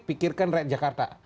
pikirkan rakyat jakarta